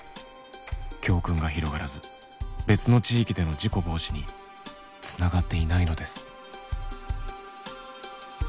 教訓が広がらず別の地域での事故防止につながっていないのです。